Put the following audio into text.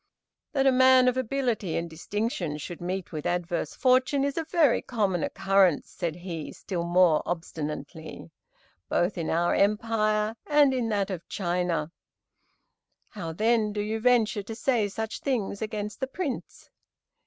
"That a man of ability and distinction should meet with adverse fortune is a very common occurrence," said he, still more obstinately, "both in our empire and in that of China. How then do you venture to say such things against the Prince?